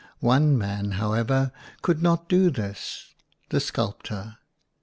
One man, however, could not do this the sculptor.